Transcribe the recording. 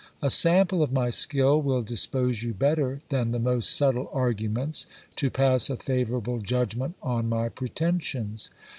A sample of my skill will dis pose you better than the most subtle arguments to pass a favourable judgment on my pretensions.